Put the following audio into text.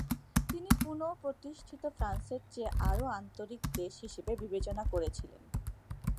তিনি পুন:প্রতিষ্ঠিত ফ্রান্সের চেয়ে আরও আন্তরিক দেশ হিসাবে বিবেচনা করেছিলেন ।